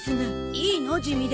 いいの地味で。